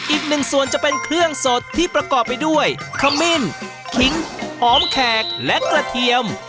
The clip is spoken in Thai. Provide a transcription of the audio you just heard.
อีกหนึ่งส่วนจะเป็นเครื่องสดที่ประกอบไปด้วยขมิ้นขิงหอมแขกและกระเทียม